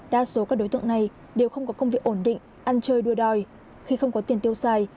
đa số các đối tượng này đều không có công việc ổn định ăn chơi đua đòi khi không có tiền tiêu xài